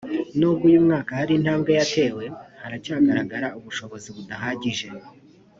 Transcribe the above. n ubwo uyu mwaka hari intambwe yatewe haracyagaragara ubushobozi budahagije